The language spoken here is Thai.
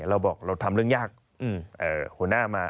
เราบอกเราทำเรื่องยากหัวหน้ามา